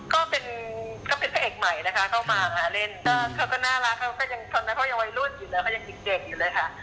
ก็เป็นพระเอกใหม่นะคะเข้ามาเล่นเขาก็น่ารักเขาก็ยังตอนนั้นเขายังวัยรุ่นอยู่แล้วเขายังเด็กอยู่เลยค่ะ